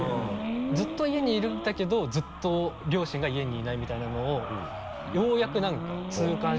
ずっと家にいるんだけどずっと両親が家にいないみたいなのをようやく何か痛感したというか。